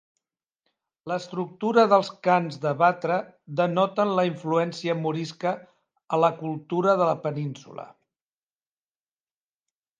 L’estructura dels cants de batre denoten la influència morisca a la cultura de la península.